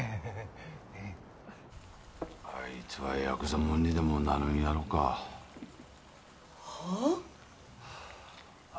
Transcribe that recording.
あいつはヤクザもんにでもなるんやろかはあ？